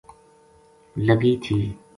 لگی تھی